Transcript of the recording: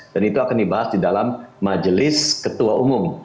dan itu akan dibahas di dalam majelis ketua umum